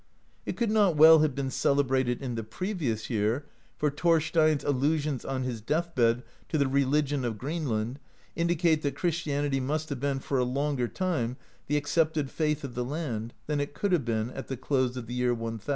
It could not well have been celebrated in the previous year, for Thorstein's allu sions on his death bed to the religion of Greenland, indi cate that Christianity must have been for a longer time the accepted faith of the land than it could have been at the close of the year 1000.